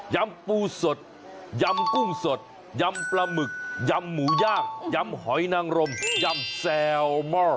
ปูสดยำกุ้งสดยำปลาหมึกยำหมูย่างยำหอยนางรมยำแซลมหม้อ